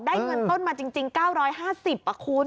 เงินต้นมาจริง๙๕๐คุณ